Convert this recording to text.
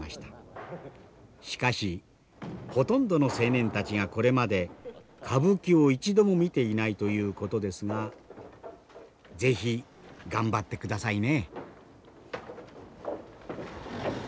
しかしほとんどの青年たちがこれまで歌舞伎を一度も見ていないということですが是非頑張ってくださいね。